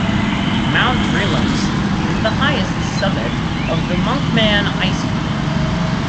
Mount Vreeland is the highest summit of the Monkman Icefield.